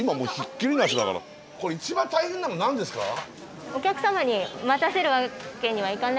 これ一番大変なの何ですか？